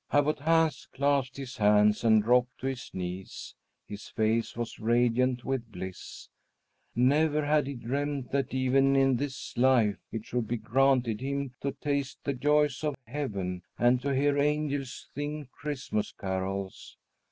Abbot Hans clasped his hands and dropped to his knees. His face was radiant with bliss. Never had he dreamed that even in this life it should be granted him to taste the joys of heaven, and to hear angels sing Christmas carols!